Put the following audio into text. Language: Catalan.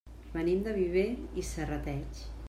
Venim de Viver i Serrateix.